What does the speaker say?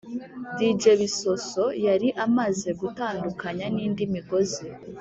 dj bisosso yari amaze gutandukanya n’indi migozi,